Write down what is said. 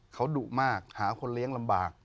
เขาดุมากหาคนเลี้ยงลำบาก